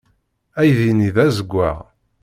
Aydi-nni d azewwaɣ.